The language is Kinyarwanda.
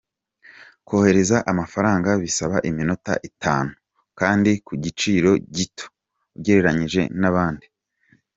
Kohereza amafaranga bisaba iminota itanu kandi ku giciro gito ugeraranyije n’abandi.